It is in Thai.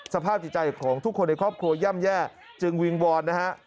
สภาพจิตใจของทุกคนในครอบครัวย่ำแย่จึงวิงวอนนะฮะ